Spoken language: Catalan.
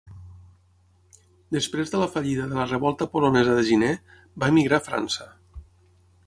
Després de la fallida de la Revolta polonesa de gener, va emigrar a França.